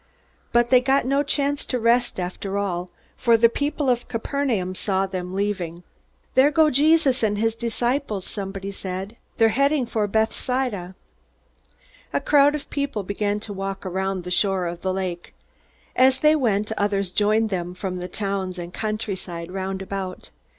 But they got no chance to rest after all, for the people at Capernaum saw them leaving. "There go Jesus and his disciples!" somebody said. "They're heading for Bethsaida!" A crowd of people began to walk around the shore of the lake. As they went, others joined them from the towns and countryside round about.